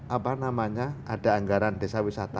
apa namanya ada anggaran desa wisata